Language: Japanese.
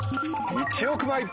１億枚！